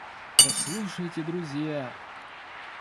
Послушайте, друзья!